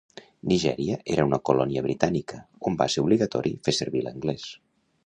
Nigèria era una colònia britànica on va ser obligatori fer servir l'anglès.